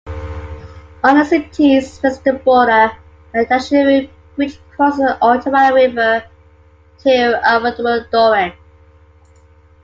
On the city's western border, the Taschereau Bridge crosses the Ottawa River to Vaudreuil-Dorion.